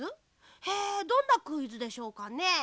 へえどんなクイズでしょうかね？